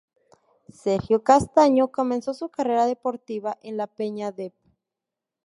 Sergio Castaño comenzó su carrera deportiva en la Peña Dep.